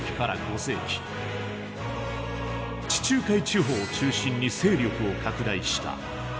地中海地方を中心に勢力を拡大した古代ローマ。